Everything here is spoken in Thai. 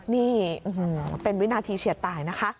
นี่เป็นวินาทีเฉียดตายนะคะ